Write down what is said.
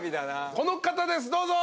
この方ですどうぞ。